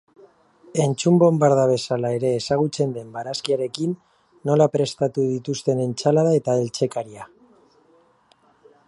Entzun bonbarda bezala ere ezagutzen den barazkiarekin nola prestatu dituzten entsalada eta eltzekaria.